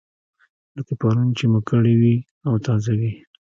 لکه پرون چې مو کړې وي او تازه وي.